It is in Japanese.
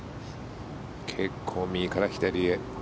結構、右から左へ。